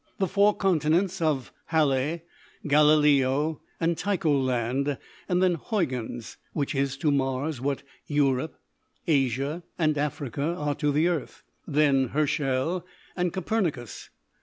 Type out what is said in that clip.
The four continents of Halle, Galileo, and Tycholand; then Huygens which is to Mars what Europe, Asia, and Africa are to the Earth, then Herschell and Copernicus.